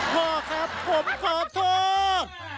พ่อครับผมขอโทษ